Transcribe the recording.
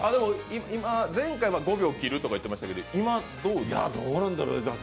前回は５秒切ると言ってましたけど、今はどうなんですか？